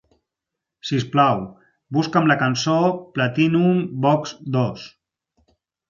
Sisplau, busca'm la cançó Platinum Box II.